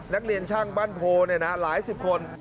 นักเรียนช่างบ้านโพหลายสิบคน